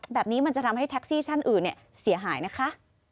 แบบนี้มันจะทำให้แท็กซี่ท่านอื่นเสียหายนะคะ